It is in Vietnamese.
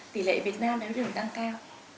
tỷ lệ việt nam đánh đường tăng cao